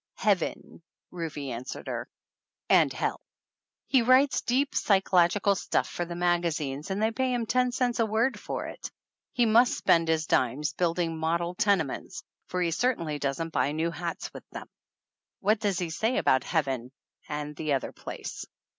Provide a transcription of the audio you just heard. "Heaven," Rufe answered her, "and hell. He writes deep psychological stuff for the maga zines and they pay him ten cents a word for it. He must spend his dimes building model tene ments, for he certainly doesn't buy new hats with them." "What does he say about Heaven and the other place?"